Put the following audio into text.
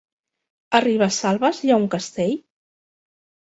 A Ribesalbes hi ha un castell?